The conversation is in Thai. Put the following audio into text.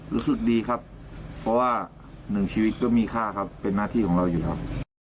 รู้สึกดีครับเพราะว่าหนึ่งชีวิตก็มีค่าครับเป็นหน้าที่ของเราอยู่ครับ